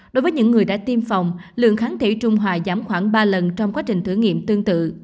đối với những người đã tiêm phòng lượng kháng thể trung hòa giảm khoảng ba lần trong quá trình thử nghiệm tương tự